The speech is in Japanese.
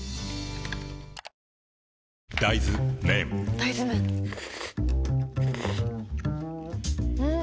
大豆麺ん？